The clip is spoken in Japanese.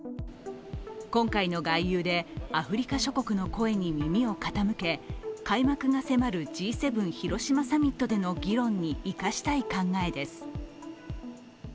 今回の外遊でアフリカ諸国の声に耳を傾け開幕が迫るＧ７広島サミットでの議論に生かしたい考えです。